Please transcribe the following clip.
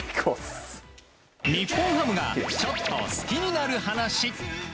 日本ハムがちょっと好きになる話。